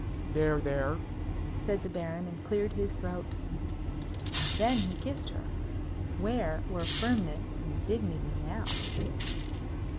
"There, there!" said the Baron, and cleared his throat. Then he kissed her. Where were firmness and dignity now?